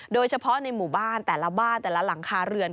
โดยเฉพาะในหมู่บ้านแต่ละบ้านแต่ละหลังคาเรือน